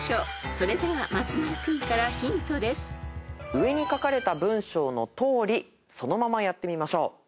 上に書かれた文章のとおりそのままやってみましょう。